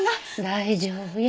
大丈夫や。